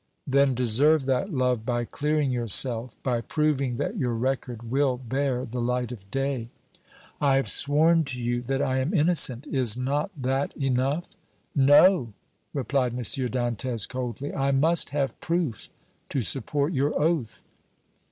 "Then deserve that love by clearing yourself, by proving that your record will bear the light of day!" "I have sworn to you that I am innocent! Is not that enough?" "No," replied M. Dantès, coldly. "I must have proof to support your oath."